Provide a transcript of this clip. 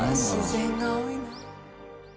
自然が多いな。